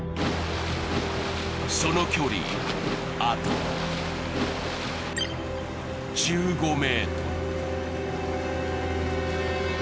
その距離、あと１５ｍ。